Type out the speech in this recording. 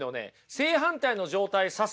正反対の状態指すもの